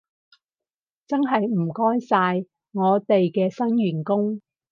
真係唔該晒，我哋嘅新員工